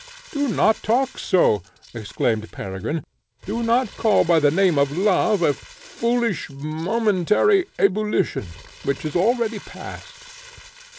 "Do not talk so!" exclaimed Peregrine. "Do not call by the name of love a foolish momentary ebullition, which is already past."